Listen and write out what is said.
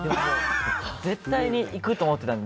絶対にいくと思ってたので。